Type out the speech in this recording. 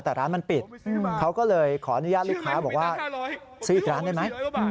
แต่ร้านมันปิดเขาก็เลยขออนุญาตลูกค้าบอกว่าซื้ออีกร้านได้ไหม